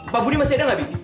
pak budi masih ada nggak